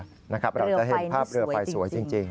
เราจะเห็นภาพเรือไฟสวยจริง